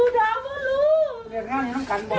ต้องการผู้สามารถ